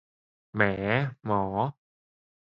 แหมหมอ